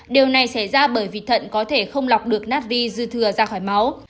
điều này xảy ra bởi vì thận có thể không lọc được natri dư thừa ra khỏi máu